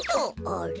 あれ？